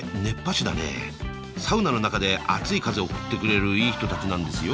サウナの中で熱い風を送ってくれるイイ人たちなんですよ